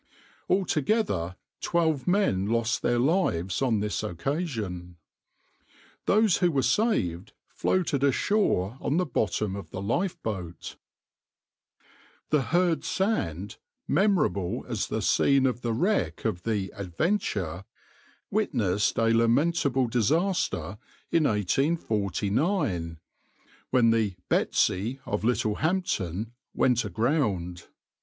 Altogether twelve men lost their lives on this occasion. Those who were saved floated ashore on the bottom of the lifeboat.\par The Herd Sand, memorable as the scene of the wreck of the {\itshape{Adventure}}, witnessed a lamentable disaster in 1849, when the {\itshape{Betsy}} of Littlehampton went aground.